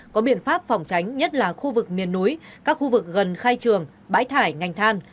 có biện pháp phòng tránh nhất là khu vực miền núi các khu vực gần khai trường bãi thải ngành than